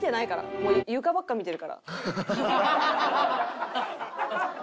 もう床ばっか見てるから。